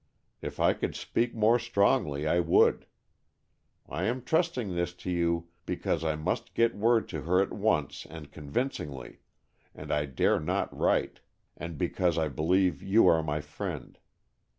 If I could speak more strongly, I would. I am trusting this to you because I must get word to her at once and convincingly, and I dare not write, and because I believe you are my friend.